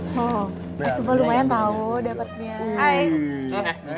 eh supaya lo lumayan tahu dapatnya